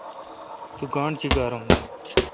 تو گاݨڈ چیکار ام دو۔